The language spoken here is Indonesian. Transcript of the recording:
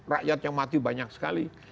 rakyat yang mati banyak sekali